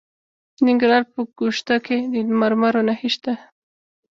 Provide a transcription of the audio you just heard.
د ننګرهار په ګوشته کې د مرمرو نښې شته.